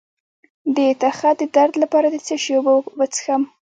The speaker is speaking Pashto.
د تخه د درد لپاره د څه شي اوبه وڅښم؟